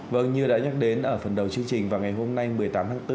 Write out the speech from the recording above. vâng như đã nhắc đến ở phần đầu chương trình vào ngày hôm nay một mươi tám tháng bốn